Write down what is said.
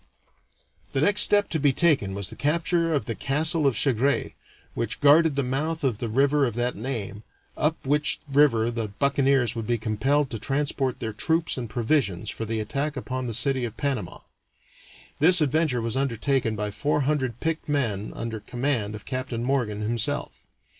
The next step to be taken was the capture of the castle of Chagres, which guarded the mouth of the river of that name, up which river the buccaneers would be compelled to transport their troops and provisions for the attack upon the city of Panama. This adventure was undertaken by four hundred picked men under command of Captain Morgan himself.